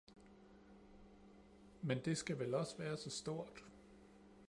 men det skal vel også være så stort!